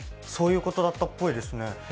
そういうことだったっぽいですね。